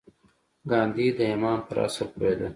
ګاندي د ايمان پر اصل پوهېده.